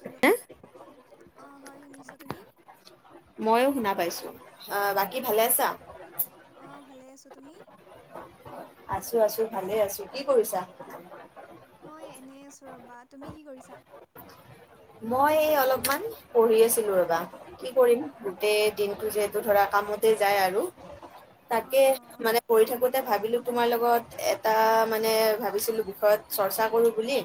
Hello অঁ হয় শুনিছোঁ, তুমি? মইয়ো শুনা পাইছো অ বা অ'কে অঁ ভালে আছোঁ, তুমি? আছোঁ আছোঁ ভালে আছোঁ, কি কৰিছা? মই এনেই আছোঁ ৰ'বা, তুমি কি কৰিছা? মই এই অলপমান পঢ়ি আছিলোঁ ৰবা, কি কৰিম আচ্ছা গোটেই দিনটো যিহেতু ধৰা কামতে যায় আৰু, তাকে অঁ মানে কৰি থাকো তে ভাবিলোঁ তোমাৰ লগত এটা মানে ভাবিছিলোঁ বিষয়ত চৰ্চা কৰোঁ বুলি।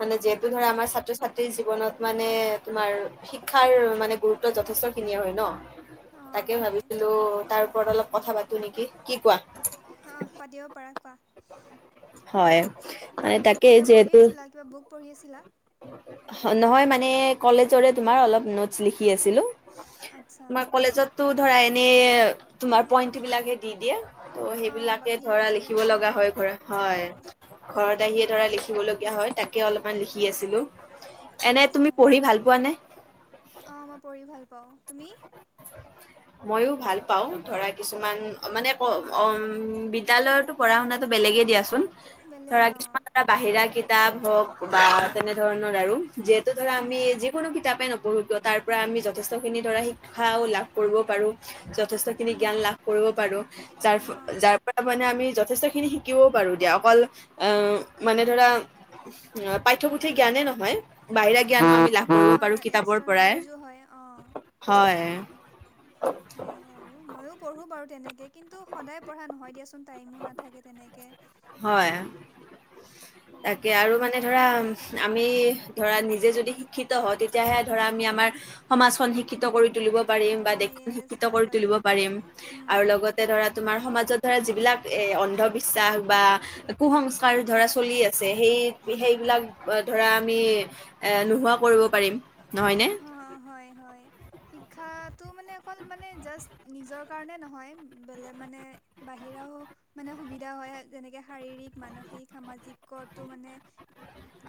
মানে যিহেতু ধৰা আচ্ছা আম ছাত্ৰ কৰা -ছাত্ৰীৰ জী জীৱনত মানে তোমাৰ শিক্ষাৰ মানে গুৰুত্ব যথেষ্ট খিনিয়ে হয় ন। অঁ তাকে হয় ভাবিছিলোঁ তাৰ ওপৰত অলপ কথা পাতোঁ নেকি, কি কোৱা? হাঁ পাতিব পাৰা কোৱা, হয় কি মানে কি তাকে কিবা পঢ়ি যিহেতু আছিলা কিবা বুক পঢ়ি আছিলা? নহয় মানে কলেজৰে তোমাৰ অলপ নোটছ লিখি আছিলোঁ। আচ্ছা তোমাৰ কলেজটো ধৰা এনে তোমাৰ পইন্ট বিলাক হে দি দিয়ে। ত' অঁ সেইবিলাকে বাকী ধৰা লিখিব লগা এক্সপ্লেনেশ্যনটো হয় ঘৰত হয়। অঁ ঘৰত আহিয়ে ধৰা লিখিব লগীয়া হয় তাকে অলপমান লিখি খি আছিলোঁ, এনে তুমি আচ্ছা পঢ়ি ভাল পোৱা নে? অঁ মই পঢ়ি ভাল পাওঁ, তুমি? মইয়ো ভাল পাওঁ, ধৰা কিছুমান মানে ক অম বিদ্যালয়তো পঢ়া শুনাটো বেলেগে দিয়াচো বেলেগ ধৰা অঁ কিছুমান এ বাহিৰা কিতাপ হওঁক বা তেনে ধৰণৰ আৰু। যিহেতু ধৰা আমি যিকোনো কিতাপে নপঢ়ো কিয় তাৰ পৰা আমি যথেষ্টখিনি ধৰা শিক্ষাও লাভ- কৰিব পাৰোঁ, যথেষ্ট খিনি জ্ঞান লাভ কৰিব পাৰোঁ যাৰ অঁ যাৰ মানে আমি যথেষ্ট খিনি শিকিব পাৰোঁ দিয়া অকল আহ মানে ধৰা অঁ পাঠ্যপুথি জ্ঞানে নহয় বাহিৰা জ্ঞান আমি লাভ কৰিব অঁ পাৰোঁ কিতাপৰ এক্সট্ৰা পৰাই নলেজো হয় অঁ হয়। [unintelligible] সেয়ে আৰু ময়ো পঢ়োঁ বাৰু তেনেকে কিন্তু সদায় পঢ়া নহয় দিয়াচোন টাইমো নাথাকে তেনেকে। হয়। তাকে আৰু মানে ধৰা আমি ধৰা নিজে যদি শিক্ষিত হওঁ তেতিয়াহে ধৰা আমি আমাৰ সমাজখন শিক্ষিত কৰি তুলিব পাৰিম বা অঁ দেশখন য়েছ শিক্ষিত হয় কৰি বাৰু তুলিব পাৰিম। আৰু উম, লগতে ধৰা তোমাৰ সমাজত ধৰা যিবিলাক অন্ধবিশ্বাস বা কুসংস্কাৰ ধৰা চলি আছে সেই সেইবিলাক ধৰা আমি এ নোহোৱা কৰিব পাৰিম, নহয়নে? অঁ হয় হয়। শিক্ষাটো মানে অকল মানে জাষ্ট নিজৰ কাৰণে নহয় বেলেগ মানে বাহিৰাও মানে সুবিধা হয় যেনেকে শাৰীৰিক, মানসিক, সামাজিকতো মানে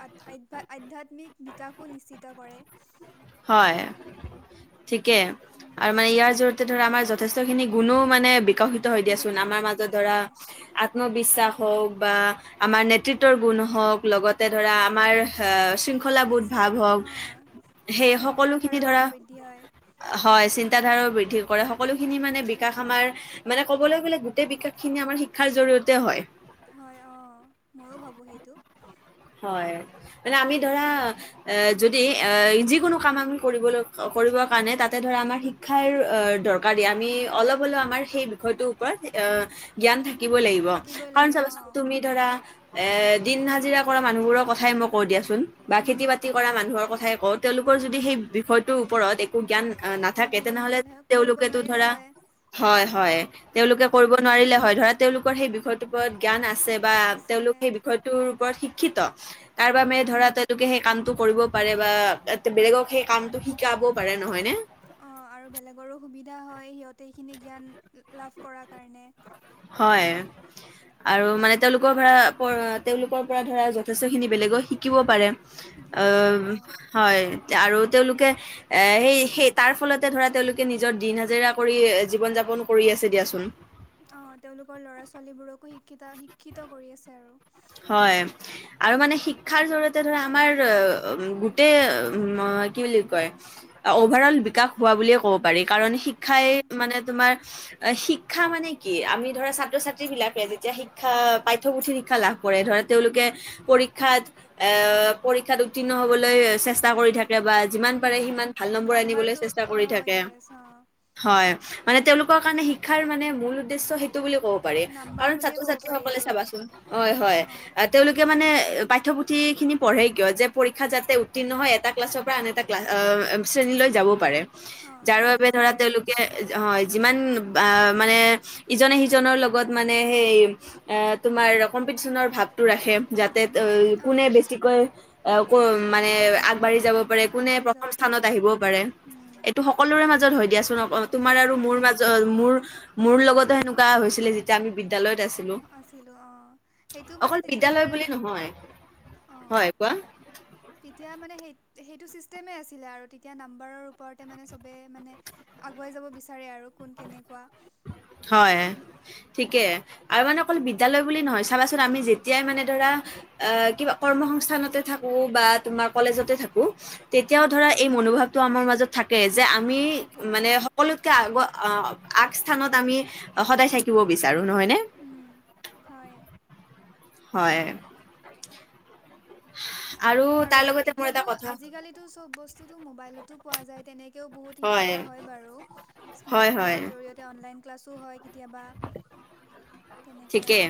আ আধ্যা আধ্যাত্মিক বিকাশো নিশ্চিত কৰে। হয় ঠিকে আৰু মানে ইয়াৰ যত তে ধৰা আমাৰ যথেষ্ট খিনি গুণো মানে বিকশিত হৈ দিয়াচোন আমাৰ অঁ মাজত হয় ধৰা হয় আত আত্মবিশ্বাস হওঁক বা আমাৰ নেতৃত্বৰ গুণ হওঁক লগতে ধৰা আমাৰ শৃংখলাবোধ চি ভাৱ হওঁক। হ সেই সকলোখিনি চিন্তাধাৰাও ধৰা- বৃদ্ধি হয় হয়, চিন্তাধাৰাৰো বৃদ্ধি কৰে সকলোখিনি মানে বিকাশ আমাৰ- মানে ক'বলৈ গ'লে গোটেই বিকাশ খিনি আমাৰ শিক্ষাৰ জৰিয়তে হয়। হয় অঁ ময়ো ভাবো সেইটো। হয়, মানে আমি ধৰা- এ যদি এহ যিকোনো কাম আমি কৰিবলৈ কৰিবৰ কাৰণে তাতে ধৰা আমাৰ শিক- ক্ষাৰ অঁ দৰকাৰী আমি অলপ হলেও আমাৰ সেই বিষয়টোৰ ওপৰত অঁ- জ্ঞান থাকিব লাগিব, থাকিবই কাৰণ লাগে অ চাবাচোন তুমি ধৰা এ দিন হাজিৰা- কৰা মানুহ বোৰৰ কথাই মই কওঁ দিয়াচোন বা উম খেতি বাতি কৰা মানুহৰ কথাই কওঁ- তেওঁলোকৰ উম যদি সেই বিষয়টোৰ ওপৰত একো জ্ঞান নাথাকে, নাথাকি তেনেহলে নাথাকিলে হয় কৰিব তেওঁলোকেতো নোৱাৰিলে ধৰা- হয় হয় হয়। হয় তেওঁলোকে কৰিব উম নোৱাৰিলে হয় ধৰা, তেওঁলোকৰ সেই উম বিষয়টোৰ ওপৰত জ্ঞান আছে বা আছে তেওঁওলোক সেই বিষয়- টোৰ ওপৰত শিক্ষিত, তাৰ বাবে উম ধৰা তেওঁলোকে সেই- কামটো কৰিব পাৰে বা এ বেলেগক সেই কামটো শিকাবও পাৰে নহয় নে? অঁ আৰু বেলেগৰো সুবিধা হয়, সিহঁতে এইখিনি জ্ঞান লাভ কৰাৰ কাৰণে। হয়। আৰু মানে তেওঁলোকৰ ধৰা তেওঁলোকৰ পৰা ধৰা যথেষ্টখিনি বেলেগো শিকিব পাৰে। শিকিব পাৰে অঁম। অ হয়, আৰু তেওঁলোকে এ সেই সেই তাৰ ফলতে ধৰা তেওঁলোক- কে নিজৰ দিন হাজিৰা কৰি জীৱন যাপন কৰি আছে দিয়াচোন। অঁ তেওঁলোকৰ লৰা ছোৱালীবোৰকো শিক্ষিতা শিক্ষিত কৰি আছে আৰু। হয়। আৰু মানে শিক্ষাৰ জৰিয়তে ধৰা আমাৰ গোটেই ম বুলি কয়? অভাৰ অল বিকাশ হোৱা বুলিয়ে ক'ব পাৰি, কাৰণ অ শিক্ষাই মানে তোমাৰ- অ শিক্ষা মানে কি আমি ধৰা ছাত্ৰ ছাত্ৰী বিলাকে যেতিয়া শিক্ষা পাঠ্যপুথিৰ শিক্ষা লাভ- কৰে ধৰা তেওঁলোকে পৰীক্ষাৰ- এ পৰীক্ষাত উত্তীৰ্ণ হবলৈ চেষ্টা কৰি থাকে বাত- যিমান পাৰে উম সিমান ভাল নম্বৰ আনিবলে নাম্বাৰটো চেষ্টা অ কৰি থাকে। য়েছ অ হয়, মানে তেওঁলোকৰ কাৰণে শিক্ষাৰ মানে মূল উদ্দেশ্য সেইটো বুলি ক- পাৰি, নাম্বাৰ কাৰণ বুলিয়ে ছাত্ৰ ক'ব ছাত্ৰী পাৰি সকলে আৰু চাবাচোন হয় হয় অ আ উম তেওঁলোকে মান- নে পাঠ্য পুথিখিনি পঢ়ে কিয় যে পৰীক্ষা যাতে উত্তীৰ্ণ হয় এটা ক্লাছৰ পৰা আন এটা- ক্লাছ শ্ৰেণীলৈ যাব পাৰে, অ যাৰ আগুৱাই বাবে যাব ধৰা পাৰে তেওঁলোক- কে অঁ যিমান আহ মানে ইজনে সিজনৰ লগত মানে সেই- এ তোমাৰ কম্পিটিচনৰ ভাৱটো ৰাখে যাতে অ কোনে বেছ- ছিকৈ এ ক মানে আগবাঢ়ি যাব- পাৰে কোনে আগবাঢ়ি প্ৰথম যাব পাৰে স্থানত আহিব পাৰে উম এইটো সকলোৰে মাজত হয় দিয়াচোন, অক তোমাৰ আৰু অ মোৰ মা- জ মোৰ মোৰ লগতে সেনেকোৱা হৈছিলে, যেতিয়া আমি বিদ্যালয়ত আছিলো। আছিলো অঁ। সেইটো মানে অকল তেতিয়াৰ বিদ্যালয় বুলি তিত নহয় অঁ- হয় কোৱা তেতিয়া মানে সেই সেইটো ছিষ্টেমেই আছিলে আৰু তেতিয়া নাম্বাৰৰ ওপৰতে মানে চবেই মানে- আগুৱাই যাব বিচাৰে আৰু। কোন কেনেকুৱা হয়। এ, ঠিকে, আৰু মানে অকল বিদ্যালয় বুলি নহয় চাবাচোন আমি যেতিয়াই মানে ধৰা- আহ কিবা কৰ্ম সংস্থানতে থাকো বা তোমাৰ কলেজতে থাকো- তেতিয়াও উম, ধৰা এই মনোভাৱটো আমাৰ মাজত থাকে, যে আমি থাকে মানে অঁ সকলোতকে আগ অ আগস্থানত আমি সদায় থাকিব বিচাৰো নহয় নে উম হয় হয় আৰু তাৰ লগতে মোৰ এটা এতিয়াতো কথা আজিকালিতো চব ব স্তুটো মোবাইলতো পোৱা যায় তেনেকেও বহুত শিক্ষিত হয় বাৰু হয় স্মাৰ্ট হয় ফোনৰ জৰিয় তে অনলাইন ক্লাছো হয় কেতিয়াবা তেনেকৈ ঠিকে আৰু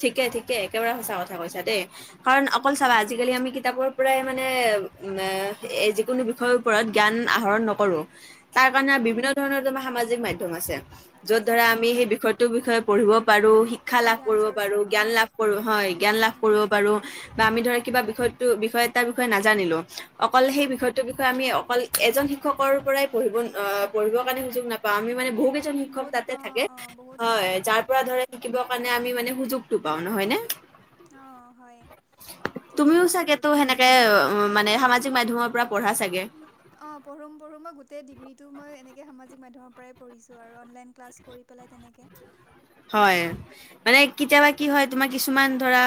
ঠিকে ঠিকে একেবাৰে সঁচা কথা কৈছা দেই কাৰণ অকল উম, চাবা আজিকালি আমি কিতাপৰ পৰাই মানে উম এ যিকোনো বিষয় ওপৰত জ্ঞান আহৰণ নকৰো তাৰ কাৰণে উম, বিভিন্ন ধৰণৰ তোমাৰ সামাজিক মাধ্যম আছে, য'ত আছে ধৰা আমি অঁ সেই বিষয় টো বিষয়ে পঢ়িব পাৰো, শিক্ষা লাভ জ্ঞান কৰিব চৰ্চা পাৰো, জ্ঞান অঁ লাভ কৰো হয় জ্ঞান লাভ উম, কৰিব পাৰো বা আমি ধৰা কিবা বিষয়টো বিষয় তাৰ বিষয়ে নাজানিলো অকল সেই উম। বিষয়টোৰ বিষয়ে আমি অকল এজন শিক্ষকৰ পৰাই পঢ়িব পঢ়িব কাৰণে সুযোগ নাপাওঁ আমি মানে বহু কি জন শিক্ষক বহুত তাতে অঁ থাকে অঁ বহুত হয় শিক্ষক যাৰ পৰা শিক্ষয়িত্ৰী ধৰ এ থাকে পঢ়িব কাৰণে আমি মানে সুযোগটো পাওঁ নহয় নে অঁ হয় ঠিকে তুমিও কৈছা বাৰু চাগেতো তুমি সেনেকে উম মানে সামাজিক মাধ্যমৰ পৰা পঢ়া চাগে অঁ পঢ়ো পঢ়ো মই গোটেই ডিগ্ৰীটো মই এনেকে সামাজিক মাধ্যমৰ পৰাই পঢ়িছোঁ আৰু অনলাইন ক্লাছ কৰি পেলাই তেনেকে হয় মানে কেতিয়াবা কি হয় তোমাৰ কিছুমান ধৰা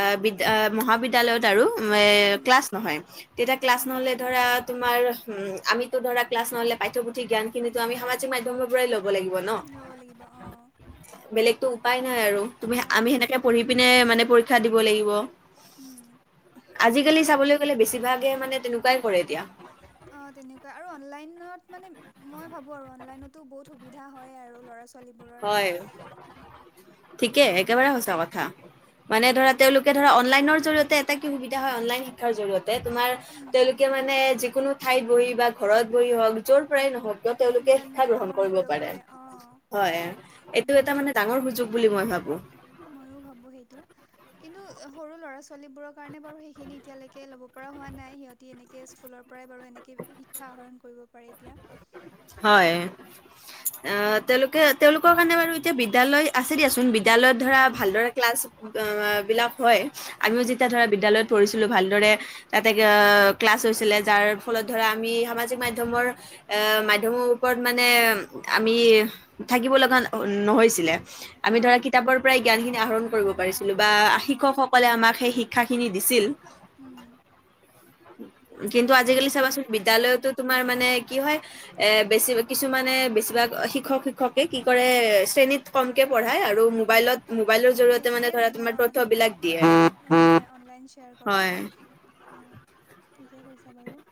আহ বিদ্যা মহাবিদ্যালয়ত আৰো এ উম ক্লাছ নহয় তেতিয়া ক্লাছ উম নহলে ধৰা তোমাৰ উম আমিতো ধৰা ক্লাছ নহ'লে পাঠ্যপুথি জ্ঞানখিনিটো আমি সামাজিক মাধ্যমৰ পৰাই লব লাগিব ন? লব লাগিব অঁ বেলেগতো উপায় নাই আৰু তুমি উপায় আমি নাই সেনেকে পঢ়ি পিনে মানে পৰীক্ষা দিব লাগিব উম আজিকালি আৰু চাবলৈ গ'লে বেছিভাগে মানে তেনেকুৱাই কৰে এতিয়া অঁ তেনেকুৱাই আৰু অনলাইনত মানে মই ভাবোঁ আৰু অনলাইনতো বহুত সুবিধা হয় আৰু ল'ৰা-ছোৱালীবোৰৰ হয়। ঠিকে একেবাৰে সঁচা আৰু কথা মানে ধৰা তেওঁলোকে ধৰা অনলাইনৰ জৰিয়তে এটা কি সুবিধা হয় অনলাইন শিক্ষাৰ জৰিয়তে তোমাৰ উম তেওঁলোকে মানে যিকোনো ঠাইত বহি বা ঘৰত বহি হওঁক যৰ পৰাই নহওঁক তেওঁলোকে শিক্ষা গ্ৰহণ কৰিব পাৰে অ হয় এইটো এটা মানে ডাঙৰ সুযোগ বুলি মই ভাবো ময়ো ভাবোঁ সেইটো কিন্তু সৰু ল'ৰা-ছোৱালীবোৰৰ কাৰণে বাৰু সেইখিনি এতিয়ালেকে ল'ব পৰা হোৱা নাই সিহঁতি এনে কে স্কুলৰ পৰাই বাৰু এনেকে শিক্ষা আহৰণ কৰিব পাৰে এতিয়া হয় অ তেওঁলোকে তেওঁলোকৰ কাৰণে বাৰু এতিয়া বিদ্যালয় আছে দিয়াচোন বিদ্যালয়ত ধৰা উম উম ভালদৰে ক্লাছ বিলাক হয় আমিও উম যেতিয়া ধৰা বিদ্যালয়ত পঢ়িছিলো ভালদৰে তাতে কে ক্লাছ হৈছিলে যাৰ ফলত ধৰা আমি সামাজিক মাধ্যমৰ এ মাধ্যম সমূহৰ ওপৰত মানে আমি থাকিব লগা নহৈছিলে আমি অ ধৰা কিতাপৰ পৰাই জ্ঞানখিনি আহৰণ কৰিব জ্ঞান আহৰণ পাৰিছিলো কৰিব বা পাৰিছিলোঁ অ শিক্ষক স অকলে আমাক সেই শিক্ষাখিনি দিছিল। উম। কিন্তু ঠিকে আজিকালি কৈছা বাৰু চাবাচোন বিদ্যালয়তো তোমাৰ মানে কি হয়। এ বেছি কিছুমানে বেছিভাগ শিক্ষক শিক্ষকে কি কৰে শ্ৰেণীত কমকে পঢ়ায়, আৰু মোবাইলত মোবাইলৰ জৰিয়তে মানে বেছিকে ধৰা তোমাৰ তথ্য বিলাক দিয়ে, হয়। অঁ ঠিকে কৈছা বাৰু।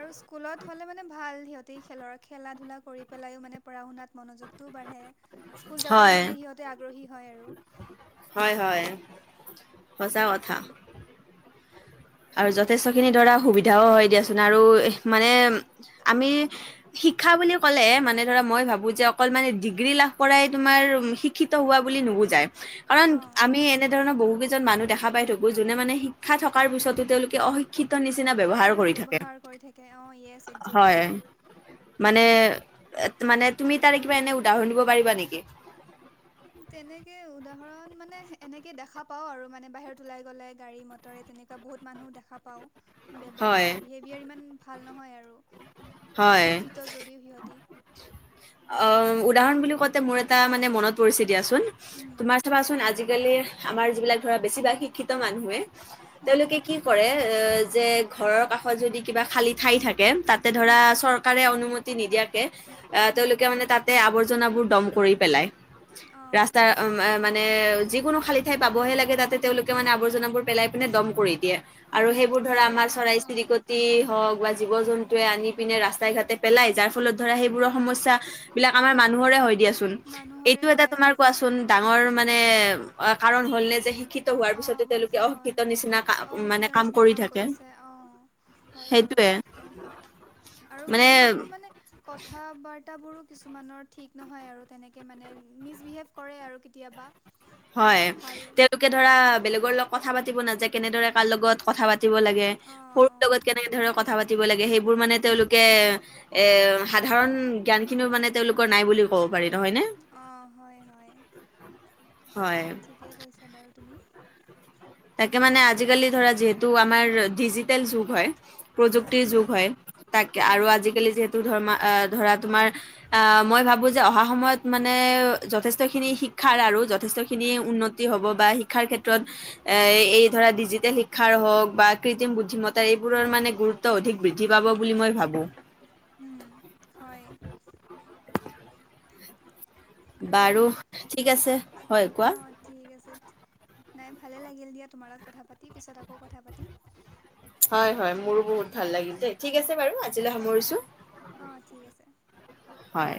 আৰু স্কুলত হ'লে মানে ভাল, সিহঁতে খেলৰ খেলা ধূলা কৰি পেলাইো মানে পঢ়া শুনাত মনোযোগ তো বাঢ়ে স্কুল যাবওঁ হয় মানে সিহঁতে আগ্ৰহী হয় আৰু। হয়, হয়। সঁচা কথা। আৰু যথেষ্টখিনি ধৰা সুবিধাও হয় দিয়াচোন। আৰু মানে আমি শিক্ষা বুলি ক'লে মানে ধৰা মই ভাবো, যে অকল মানে ডিগ্ৰী লাভ কৰাই তোমাৰ শিক্ষিত হোৱা বুলি নুবুজায়। কাৰণ অ আমি এনেধৰণৰ বহু কেইজন মানুহ দেখা পাই থাকো, যোনে মানে শিক্ষা থকাৰ পিছতো তেওঁলোকে অশিক্ষ ক্ষিত নিচিনা ন ব্যৱহাৰ কৰি থাকে, ব্যৱহাৰ কৰি থাকে অ য়েছ একজেক্টলি হয়। মানে এ মানে তুমি তাৰে কিবা এনে উদাহৰণ দিব পাৰিবা নেকি? তেনেকে উদাহৰণ মানে এনেকে দেখা পাওঁ আৰু মানে বাহিৰত ওলাই গ'লে, গাড়ী মট টৰে তেনেকুৱ বহুত মানুহ দেখা পাওঁ। হয় ব্যৱহাৰ বিহেভিয়াৰ ইমান ভাল নহয় আৰু। হয়। দিওঁ, সিহঁতি অ' উদাহৰণ বুলি কওঁতে মোৰ এটা মানে মনত- পৰিছে দিয়াচোন, উম তোমাৰ চাবাচোন আজিকালি আমাৰ যিবিলাক ধৰা বেছিভাগ শিক্ষিত মানুহে উম তেওঁলোকে কি কৰে এ যে, ঘৰৰ কাষত যদি কিবা খালী ঠাই থাকে তাতে ধৰা উম চৰকাৰে অনুমতি নিদিয়াকে উম তেওঁলোকে মানে তাতে আৱৰ- জনা বোৰ দ'ম কৰি পেলাই, অঁ ৰাস্তা মানে যিকোনো খালী ঠাই পাবহে লাগে, তাতে তেওঁলোকে মানে আৱৰ্জনাবোৰ পেলাই পিনে দ'ম কৰি দিয়ে। আৰু উম সেইবোৰ ধৰা লেতেৰা আমাৰ চৰাই অঁ চিৰিকত তিয়ে হওঁক বা জীৱ জন্তুৱে আনি পিনে ৰাস্তাই ঘাটে পেলাই, যাৰ ফলত ধৰা সেইবোৰৰ সমস্যা বিলাক আমাৰ মানুহৰে হয় দিয়াচোন। মানুহৰে এইটো এটা হয় তোমাৰ কোৱাচো চোন ডাঙৰ মানে কাৰণ হ'ল নে যে শিক্ষিত হোৱাৰ পিছতো অ' তেওঁলোকে হৈছে হয়, অশিক্ষিত নিচিনা কা মানে অশিক্ষিত নিচিনা কৰি কাম থাকে কৰিছে, অ'। হয় বাৰু, সেইটোয়ে আৰু মানে কিছুমান মানে কথা বাৰ ৰ্তাবোৰো কিছুমানৰ ঠিক নহয়। আৰু তেনেকৈ মানে মিছবিহেভ কৰে আৰু কেতিয়াবা। হয়। ভাল তেওঁলোকে ধৰা বেলেগৰ লগত কথা পাতিব নাযায়, কেনেদৰে কাৰ লগত- কথা পাতিব লাগে, অঁ সৰুৰ লগত অঁ কেনে ধৰনে কথা পাতিব লাগে, সেইবোৰ উম মানে তেওঁলো- কে এ সাধাৰণ জ্ঞান খিনিও মানে তেওঁলোকৰ নাই বুলি ক'ব পাৰি। নহয় নে? অ' হয় হয়। হয়। ঠিকে কৈছা বাৰু তুমি। তাকে মানে আজিকালি ধৰা যিহেতু আমাৰ ডিজিটেল যুগ হয়। প্ৰযুক্তিৰ যুগ উম হয়, তাকে উম আৰু আজিকালি যিহেতু ধৰ ধৰা তোমাৰ- আ' মই ভাবোঁ যে অহা সময়ত মানে যথেষ্টখিনি শিক্ষাৰ আৰু যথেষ্টখিনি উন্নত- তি হ'ব বা শিক্ষাৰ ক্ষেত্ৰত- এই, এই ধৰা ডিজিটেল শিক্ষাৰ হওক বা কৃত্ৰিম বুদ্ধিমত্তা, এইবোৰৰ মানে গুৰুত- ত্ত্ব অধিক বৃদ্ধি পাব বুলি মই ভাবোঁ। উম হয়। আৰু বাৰু ঠিক আছে। হয় কোৱা। অঁ ঠিক আছে। নাই ভালে লাগিল দিয়া তোমাৰ লগত কথা পাতি, পিছত আকৌ কথা পাতিম। হয় হয়, মোৰো বহুত ভাল লাগিল দেই। ঠিক আছে বাৰু আজিলৈ সামৰিছোঁ। অহ', ঠিক আছে। হয়।